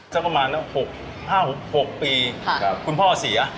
สักประมาณ๖๕๖ปีคุณพ่อเสีย